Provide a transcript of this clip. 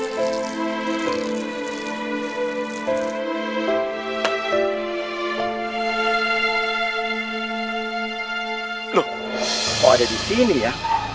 kok ada disini ya